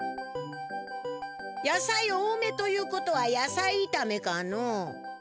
野菜多めということは野菜いためかのう。